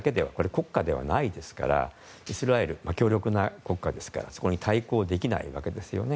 国家ではないですからイスラエルは強力な国家ですからそこに対抗できないわけですよね。